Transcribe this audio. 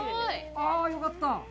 ああ、よかった。